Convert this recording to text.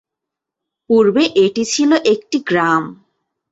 পূর্বে এটি ছিল একটি গ্রাম।